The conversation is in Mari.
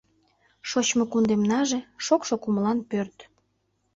Шочмо кундемнаже — Шокшо кумылан пӧрт.